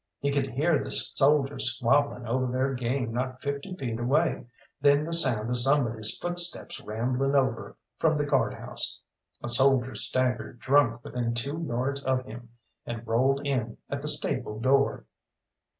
He could hear the soldiers squabbling over their game not fifty feet away, then the sound of somebody's footsteps rambling over from the guard house. A soldier staggered drunk within two yards of him, and rolled in at the stable door.